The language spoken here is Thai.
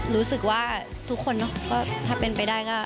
รู้สึกว่าทุกคนเนอะก็ถ้าเป็นไปได้ก็